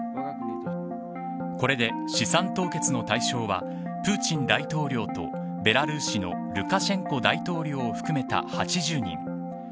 これで資産凍結の対象はプーチン大統領と、ベラルーシのルカシェンコ大統領を含めた８０人。